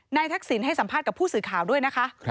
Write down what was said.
ทักษิณให้สัมภาษณ์กับผู้สื่อข่าวด้วยนะคะ